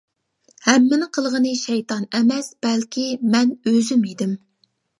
ھەممىنى قىلغىنى شەيتان ئەمەس بەلكى مەن ئۆزۈم ئىدىم.